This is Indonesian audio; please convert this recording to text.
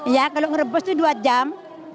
ya kalau ngerebus itu dua jam